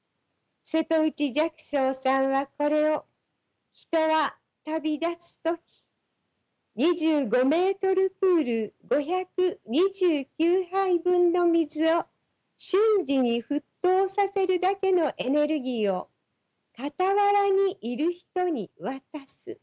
瀬戸内寂聴さんはこれを「人は旅立つ時２５メートルプール５２９杯分の水を瞬時に沸騰させるだけのエネルギーを傍らにいる人に渡す」